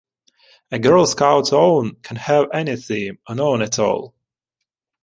A "Girl Scouts' Own" can have any theme, or none at all.